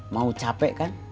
mau capek kan